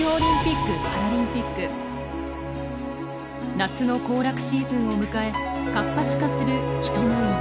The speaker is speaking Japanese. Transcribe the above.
夏の行楽シーズンを迎え活発化する人の移動。